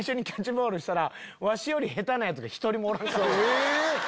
え！